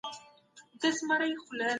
کره کتنه یوازې نیمګړتیاوې نه ښيي.